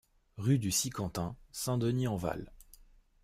Rue du Sicantin, Saint-Denis-en-Val